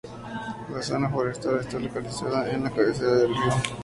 La zona forestal está localizada en la cabecera del río.